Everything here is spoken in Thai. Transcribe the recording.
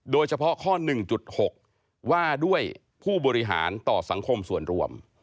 โดยเฉพาะข้อ๑๖ว่าด้วยผู้บริหารต่อสังคมส่วนรวม